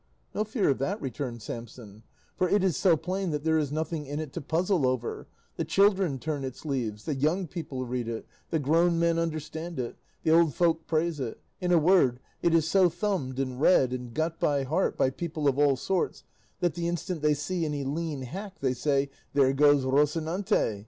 "No fear of that," returned Samson, "for it is so plain that there is nothing in it to puzzle over; the children turn its leaves, the young people read it, the grown men understand it, the old folk praise it; in a word, it is so thumbed, and read, and got by heart by people of all sorts, that the instant they see any lean hack, they say, 'There goes Rocinante.